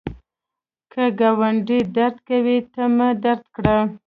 که ګاونډی درد کوي، تا مه درد کړه